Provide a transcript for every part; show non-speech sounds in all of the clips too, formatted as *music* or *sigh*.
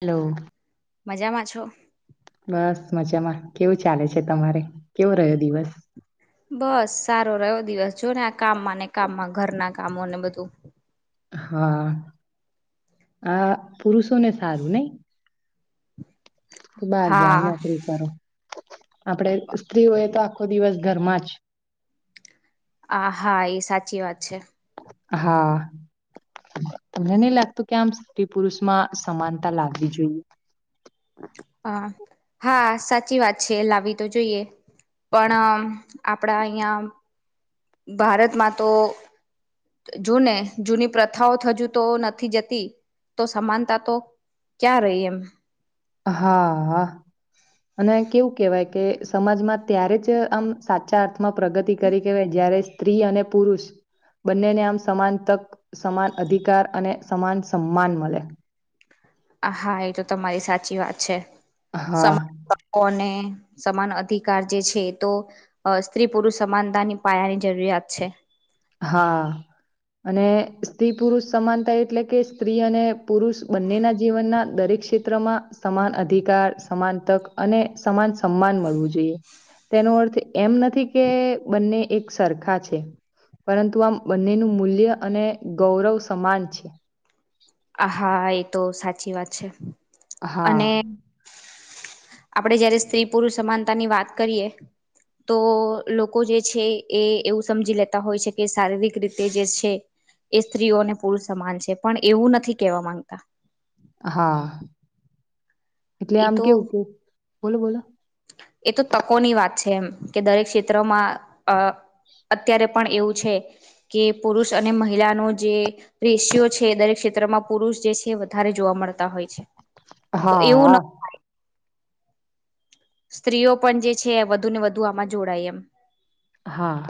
Hello. મજામાં છો? બસ મજામાં કેવું ચાલે છે તમારે કેવો, રહ્યો દિવસ? બસ સારો રહ્યો દિવસ જો ને આ કામમાં ને કામમાં ઘરના કામોને બધું હા આ પુરુષોને સારું નઈ કે બાર જાઓ હા નોકરી કરો આપડે સ્ત્રીઓ એ તો આખો દિવસ ઘરમાં જ આ હા એ સાચી વાત છે હા તમને નઈ લાગતું કે આમ સ્ત્રી-પુરુષ મા સમાનતા લાગવી જોઈએ હાહા સાચી વાત છે લાવી તો જોઈએ પણ આમ આપડા અહિયાં ભારતમાં તો જૂને જૂની પ્રથાઓ થજુ તો નથી જતી તો સમાનતા તો ક્યાં રહી એમ હા હા અને કેવું કેવાય કે સમાજમાં ત્યારે જ આમ સાચા થમાં પ્રગતિ કરી કેવાય જ્યારે સ્ત્રી અને પુરુષ બંનેને આમ સમાન તક સમાન અધિકાર અને સમાન સન્માન મલે *inaudible* હા એ તો તમારી સાચી વાત છે હા *inaudible* સમાન અધિકાર જે છે તો સ્ત્રી-પુરુષ સમાનતાની પાયાની જરૂરિયાત છે હા અને સ્ત્રી પુરુષ સમાનતા એટલે કે સ્ત્રી અને પુરુષ બંનેના જીવનના દરે ક્ષેત્રમાં સમાન અધિકાર સમાન તક અને સમાન સન્માન મળવું જોઈએ. તેનો અર્થ એમ નથી કે બંને એક સરખા છે પરંતુ આમ બંનેનું મૂલ્ય અને ગૌરવ સમાન છે આ હા એ તો સાચી વાત છે હા આપડે જયારે સ્ત્રી-પુરુષ સમાનતા ની વાત કરીએ તો લોકો જે છે એ એવું સમજી લેતા હોય છે કે શારીરિક રીતે જે છે એ સ્ત્રીઓને પુરુષ સમાન છે પણ એવું નથી કેવા માંગતા હા એટલે એ આમ તો કેવું કે બોલો બોલો એ તો પકોની વાત છે એમ કે દરેક ક્ષેત્રમાં અ અત્યારે પણ એવું છે કે પુરુષ અને મહિલાનો જે રેશીઓ છે દરેક ક્ષેત્રમાં પુરુષ જે છે વધારે જોવા મળતા હોય છે તો એવું હા ન સ્ત્રીઓ પણ જે છે વધુ ને વધુ આમાં જોડાય એમ હા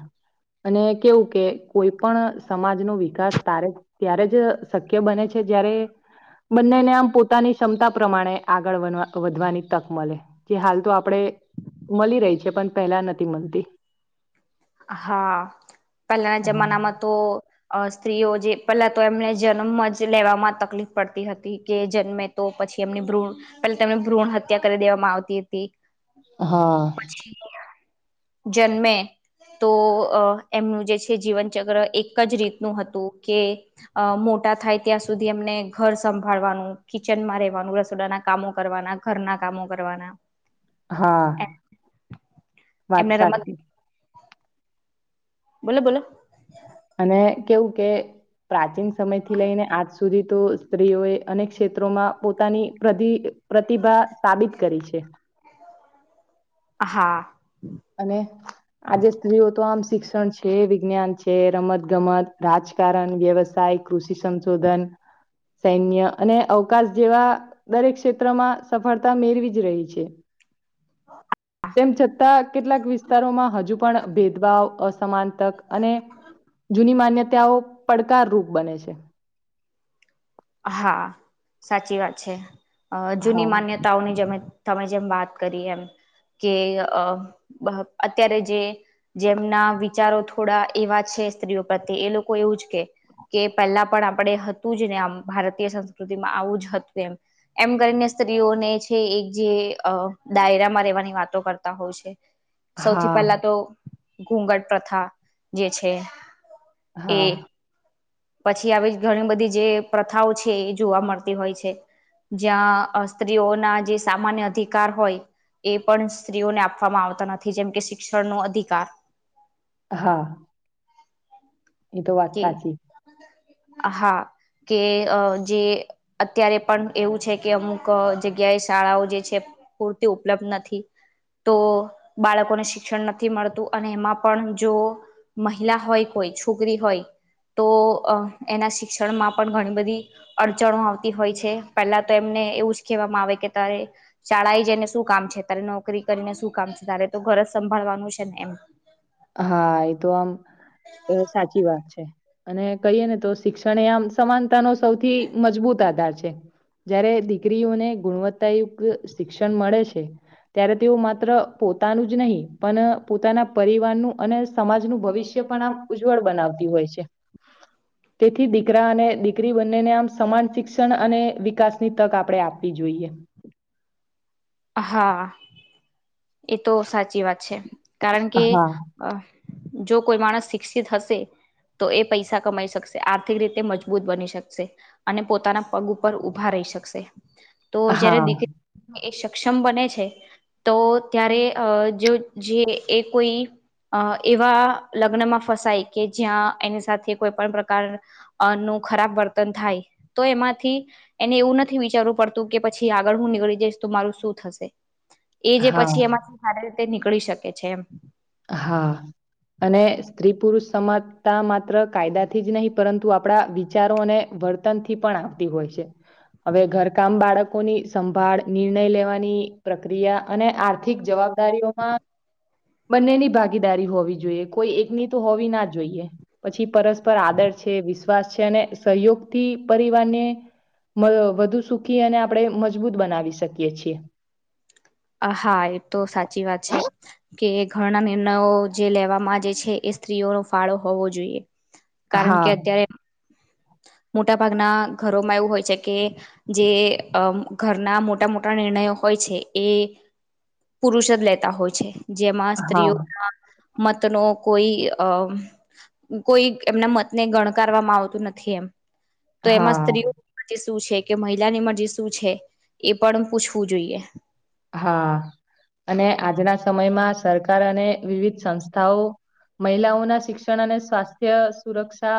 અને કેવું કે કોઈ પણ સમાજનું વિકાસ *inaudible* ત્યારે જ શક્ય બને છે જ્યારે બંનેને આમ પોતાની ક્ષમતા પ્રમાણે આગળ વનવા વધવાની તક મલે કે હાલ તો આપડે મલી રહી છે પણ પહેલા નથી મલતી હા પેલાના જમાનામાં તો અ સ્ત્રીઓ જે પેલા તો એમને જનમમા જ લેવામાં તકલીફ પડતી હતી કે જન્મે તો પ છી એમની ભ્રૂણ પેલ તમે ભ્રૂણ હત્યા કરી દેવામાં આવતી તી હા જન્મે તો અ એમનું જે છે જીવનચક્ર એક જ રીતનું હતું કે અ મોટા થાય ત્યાં સુધી એમને ઘર સંભાળવાનું કિચનમાં રેવાનું રસોડાના કામો કરવાના ઘર ના કામો કરવાના હા વાત એમને રમત સાચી બોલો બોલો અને કેવું કે પ્રાચીન સમયથી લઈને આજ સુધી તો સ્ત્રીઓએ અનેક ક્ષેત્રોમાં પોતાની પ્રદી પ્રતિભા સાબિત કરી છે. હા. અને આજે સ્ત્રીઓ તો આમ શિક્ષણ છે, વિજ્ઞાન છે, રમત ગમત, રાજકારણ, વ્યવસાય, કૃષિ સંશોધન સૈન્ય અને અવકાશ જેવા દરેક ક્ષેત્રમાં સફળતા મેળવી જ રહી છે. તેમ છતાં કેટલાક વિસ્તારોમાં હજુ પણ ભેદભાવ અસમાન તક અને જૂની માન્યતાઓ પડકારરૂપ બને છે. હા, સાચી વાત છે. અહ જૂની હા માન્યતાઓની જમે તમે જેમ વાત કરી એમ કે અહ બહ અત્યારે જે જેમના વિચારો થોડા એવા છે સ્ત્રીઓ પ્રત્યે એ લોકો એવું જ કે કે પહેલા પણ આપણેે હતું જ ને આમ ભારતીય સંસ્કૃતિમાં આવું જ હતું એમ. એમ કરીને સ્ત્રીઓને છે એક જે અહ દાયરા માં રહેવાની વાતો કરતા હોય છે. સૌથી હા પહેલા તો ઘૂઘટ પ્રથા જે છે હા. એ પછી આવી ઘણી બધી જે પ્રથાઓ છે એ જોવા મળતી હોય છે. જ્યાં સ્ત્રીઓના જે સામાન્ય અધિકાર હોય એ પણ સ્ત્રીઓને આપવામાં આવતા નથી જેમ કે શિક્ષણનો અધિકાર. હા. એ તો વાત કે સાચી. હા. કે અહ જે અત્યારે પણ એવું છે કે અમુક અહ જગ્યાએ શાળાઓ જે છે પૂરતી ઉપલબ્ધ નથી. તો બાળકોને શિક્ષણ નથી મળતું અને એમાં પણ જો મહિલા હોય કોઈ છોકરી હોય *inaudible* તો અહ એના શિક્ષણમાં પણ ઘણી બધી અડચણો આવતી હોય છે પહેલાં તો એમને એવું જ કહેવામાં આવે કે તારે શાળા એ જઈને શું કામ છે, તારે નોકરી કરીને શું કામ છે, તારે તો ઘર સંભાળવાનું છે ને એમ. હા એ તો આમ અ સાચી વાત છે. અને કહીએ ને તો શિક્ષણ એ આમ સમાનતા નો સૌથી મજબૂત આધાર છે. જયારે દીકરીઓને ગુણવત્તાયુક્ત શિક્ષણ મળે છે ત્યારે તેઓ માત્ર પોતાનું જ નહીં પણ પોતાના પરી વાર નું અને સમાજનું ભવિષ્ય પણ આમ ઉજ્જવળ બનાવતી હોય છે. તેથી દીકરા અને દીકરી બંનેને આમ સમાન શિક્ષણ અને વિકાસની તક આપણે આપવી જોઈએ. *inaudible* હા. એ તો સાચી વાત છે. કારણ કે હા અહ જો કોઈ માણસ શિક્ષિત હશે તો એ પૈસા કમાઈ શકશે આર્થિક રીતે મજબૂત બની શકશે અને પોતાના પગ ઉપર ઊભા રહે હી શકશે. તો જયારે હા દીક એક સક્ષમ બને છે તો ત્યારે અહ જો જે એ કોઈ અહ એવા લગ્નમાં ફસાય કે જ્યાં એની સાથે કોઈ પણ પ્રકાર અહ નું ખરાબ વર્તન થાય તો એમાંથી એને એવું નથી વિચારવું પડતું કે પછી આગળ હું નીકળી જઈશ તો મારું શું થશે એ જે હા પછી એમાંથી સારી રીતે નીકળી શકે છે એમ. હા. અને સ્ત્રી પુરુષ સમાજતા માત્ર કાયદાથી જ નહી પરંતુ આપણા વિચારો અને વર્તનથી પણ આવતી હોય છે. હવે ઘરકામ બાળક લોકોની સંભાળ નિર્ણય લેવાની પ્રક્રિયા અને આર્થિક જવાબદારીઓમાં બંનેની ભાગીદારી હોવી જોઈએ કોઈ એકની તો હોવી ના જોઈએ પછી પરસ્પર આદર છે વિશ્વાસ છે અને સહયોગ થી પરિવારને વ વધુ સુખી અને આપણે મજબૂત બનાવી શકીએ છીએ. હા, એ તો સાચી વાત છે કે ઘરના નિર્નયો જે લેવામાં જે છે એ સ્ત્રીઓનો ફાળો હોવો જોઈએ. કારણ કે હા અત્યારે *inaudible* મોટા ભાગના ઘરોમાં એવું હોય છે કે જે અ ઘરના મોટા મોટા નિર્ણયો હો હોય છે એ પુરુષ જ લેતા હોય છે જેમાં હા સ્ત્રીઓમાં મત નો કોઈ અ કોઈ એમના મતને ગણકારવામાં આવતું નથ થી એમ તો એમાં હા સ્ત્રીઓ પચીસ શું છે કે મહિલાની મરજી શું છે એ પણ પૂછવું જોઈએ. હા અને આજના સમયમાં સરકાર અને વિવિધ સંસ્થાઓ મહિલાઓના શિક્ષણ અને સ્વાસ્થ્ય સુરક્ષા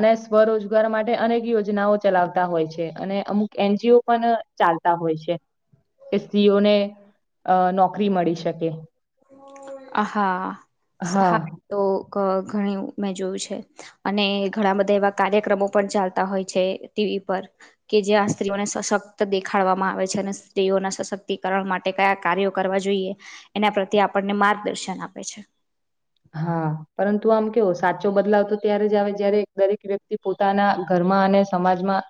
અને સ્વરોજગાર માટે અનેક યોજનાઓ ચલાવતા હોય છે અને અમુક એનજીઓ પન ચા સંસ્થા હોય છે કે સ્ત્રીઓને અ નોકરી મળી શકે. અ હા હા તો ક ઘણી મેં જોયું છે અને ઘણા બધા એવા કાર્યક્રમો પણ ચાલતા હોય છે તે કે પર કે જ્યાં સ્ત્રીઓને સશક્ત દેખાડવામાં આવે છે અને સ્ત્રીઓના સશક્તિકરણ માટે કયા કાર્યો કરવા જોઈએ એના પ્રત્યે આપણને માર્ગદર્શન આપે છે. હા પરંતુ આમ કેવો સાચો બદલાવ તો ત્યારે જ આવે જયારે દરેક વ્યક્તિ પોતાના ઘર માં અને સમાજમાં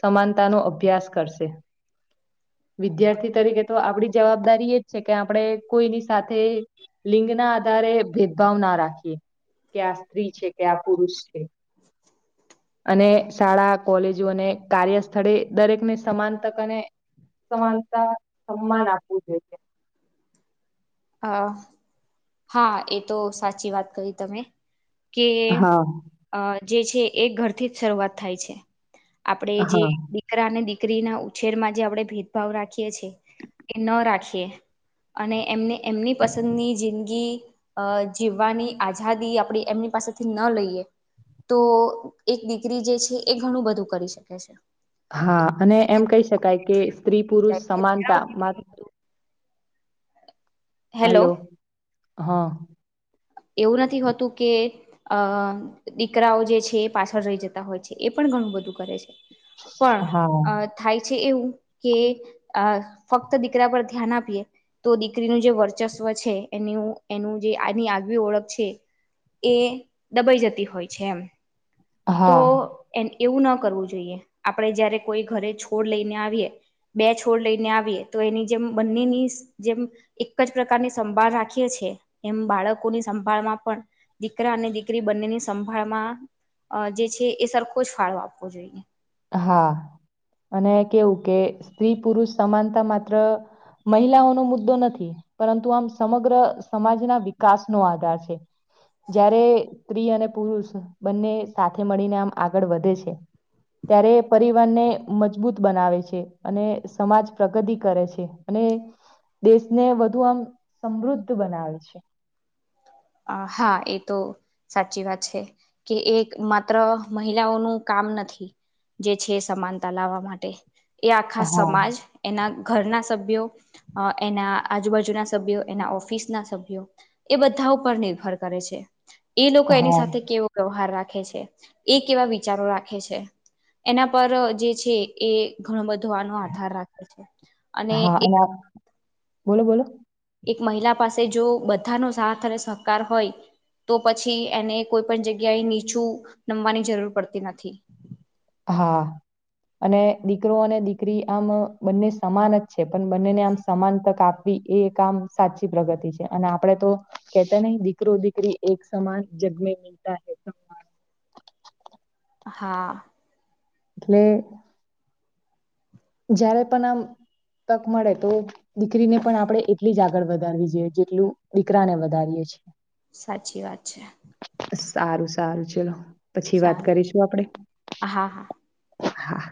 સમાનતા નો અભ્યાસ કરશે. વિદ્યાર્થી તરીકે તો આપડી જવાબદારી એ જ છે કે આપણે કોઈની સાથે લિંગ ના આધારે ભેદભાવ ના રાખીએ કે આ સ્ત્રી છે કે આ પુરુષ છે. અને શાળા કોલેજો અને કાર્ય સ્થળે દરેકને સમાન તક અને સમાનતા સમાન આપવું જોઈએ. હ હા એ તો સાચી વાત કરી તમે. કે હા અ જે છે એ ઘરથી જ શરૂઆત થાય છે. આપડે જે હા દીકરાને દીક કરી ના ઉછેરમાં જે આપણે ભેદભાવ રાખીએ છીએ એ ન રાખીએ અને એમને એમની પસંદની જિંદગી અ જીવવાની આઝાદી આપણી એમની પાસેથી ન લઈએ. તો એક દીકરી જે છે એ ઘણું બધું કરી શકે છે. હા અને એમ કહી શકાય કે સ્ત્રી પુરુષ સમાનતામાં હેલો હલો હા. એવું નથી હોતું કે અ દીકરાઓ જે છે પાછળ રહી જતા હોય છે એ પણ ઘણું બધું કરે છે પણ હા અ થાય છે એવુ કે અ ફક્ત દીકરા પર ધ્યાન આપીએ તો દીકરીનું જે વર્ચસ્વ છે એન્યુ એનું જે આજની આગ ઓળખ છે એ દબાઈ જતી હોય છે એમ. તો હા એમ એવું ના કરવું જોઈએ આપણેે જયારે કોઈ ઘરે છોડ લઈને આવીએ બે છોડ લઈને આવીએ તો એની જેમ બંનેની સ જેમ એક જ પ્રકારની સંભાળ રાખીએ છે ત્યે એમ બાળકોની સંભાળમાં પણ દીકરા અને દીકરી બંનેની સંભાળમાં અ જે છે એ સરખો જ ફાળો આપવો જોઈએ. હા, અને કેવું કે સ્ત્રી પુરુષ સમાનતા માત્ર મહિલાઓનો મુદ્દો નથી પરંતુ આમ સમગ્ર સમાજના વિકાસ નો આધાર છે. જ્યારે સ્ત્રી અને પુરુષ બંને સાથે મળીને આમ આગળ વધે છે. ત્યારે પરિવારને મજબૂત બનાવે છે અને સમાજ પ્રગતિ કરે છે અને દેશને વધુ આમ સમૃદ્ધ બનાવે છે. હા, એ તો સાચી વાત છે કે, એક માત્ર મહિલાઓનું કા કામ નથી જે છે સમાનતા લાવવા માટે એ આખા હા સમાજ એના ઘરના સભ્યો એના આજુબાજુના સભ્યો એના ઓફિસ ના સભ્યો એ બધા ઉપર નિર્ભર કરે છે એ લોકો એની હા સાથે કેવો વ્યવહાર રાખે રાખે છે એ કેવા વિચારો રાખે છે એના પર જે છે એ ઘણું બધો જોવાનો આધાર રાખે છે અને હા આ- બોલો બોલો એક મહિલા પાસે જો બધાનો સાથ અને સહકાર હોય તો પછી એને કોઈ પણ જગ્યાએ નીચું નમવાની જરૂર પડતી નથી હા અને દીકરો અને દીકરી આમ બંને સમાન જ છે પણ બંનેને આમ સમાન તક આપવી એ કામ સાચી પ્રગતિ છે અને આપડે તો કેતા નહ દીકરો દીકરી એક સમાન મે હોતા હૈ સ *inaudible* હા એટલે જયારે પણ આમ તક મળે તો દીકરીને પણ આપડે એટલી જ આગળ વધારવી જોઈએ જેટલું દીકરાને વધારીએ છ છેએ સાચી વાત છે સારું સારું ચલો પછી વાત સારું કરીશું આપડે હા હા હા